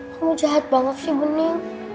kamu jahat banget sih bening